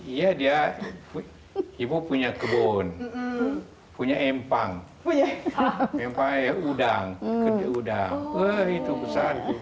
iya dia ibu punya kebun punya empang udang udang begitu besar